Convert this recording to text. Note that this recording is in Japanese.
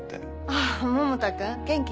あぁ百田君元気？